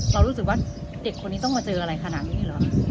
เรารู้สึกว่าเด็กคนนี้ต้องมาเจออะไรขนาดนี้เหรอ